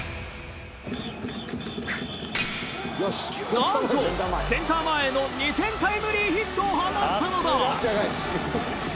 なんとセンター前への２点タイムリーヒットを放ったのだ！